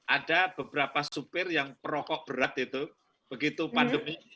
ada beberapa supir yang berokok berat begitu pandemi